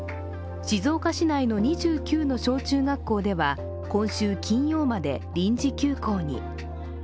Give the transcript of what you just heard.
静岡市内の２９の小中学校では今週金曜まで臨時休校に。